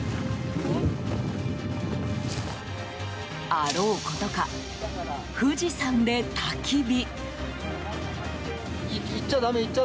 あろうことか富士山でたき火。